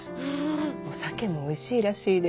お酒もおいしいらしいで。